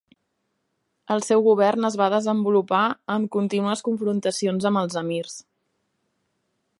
El seu govern es va desenvolupar amb contínues confrontacions amb els emirs.